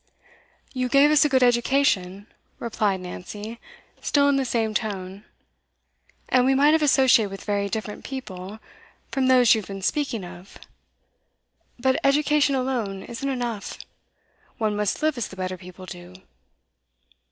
'You gave us a good education,' replied Nancy, still in the same tone, 'and we might have associated with very different people from those you have been speaking of; but education alone isn't enough. One must live as the better people do.